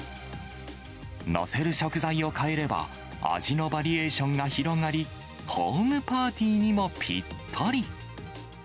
載せる食材を変えれば、味のバリエーションが広がり、ホームパーティーにもぴったり。